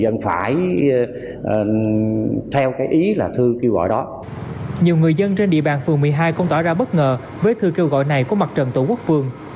nhiều người dân trên địa bàn phường một mươi hai cũng tỏ ra bất ngờ với thư kêu gọi này của mặt trận tổ quốc phường